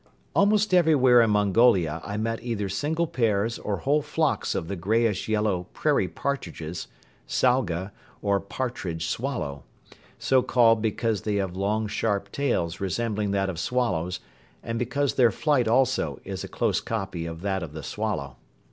Almost everywhere in Mongolia I met either single pairs or whole flocks of the greyish yellow prairie partridges, salga or "partridge swallow," so called because they have long sharp tails resembling those of swallows and because their flight also is a close copy of that of the swallow.